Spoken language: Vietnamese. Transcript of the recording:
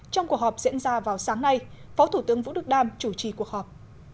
trong cuộc họp diễn ra vào sáng nay phó thủ tướng vũ đức đam chủ trì cuộc họp